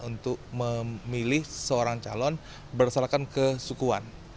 untuk memilih seorang calon berdasarkan kesukuan